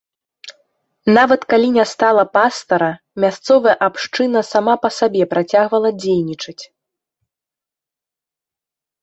Нават калі не стала пастара, мясцовая абшчына сама па сабе працягвала дзейнічаць.